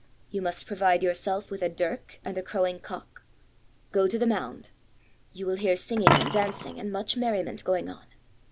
You must provide yourself with a dirk and a crowing cock. Go to the Mound. You will hear singing and dancing and much merriment going on.